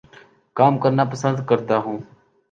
کام کرنا پسند کرتا ہوں